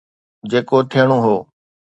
جيڪو ٿيڻو هو.